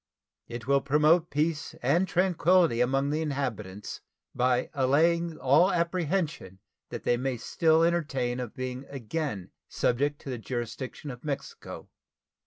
It will promote peace and tranquillity among the inhabitants, by allaying all apprehension that they may still entertain of being again subjected to the jurisdiction of Mexico.